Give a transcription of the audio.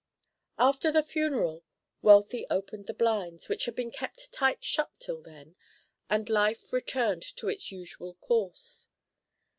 After the funeral, Wealthy opened the blinds, which had been kept tight shut till then, and life returned to its usual course.